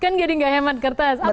kan jadi gak hemat kertas